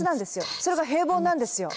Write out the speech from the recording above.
それが平凡なんですよ。